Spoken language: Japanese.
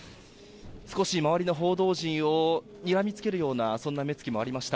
少し周りの報道陣をにらみつけるようなそんな目つきもありました。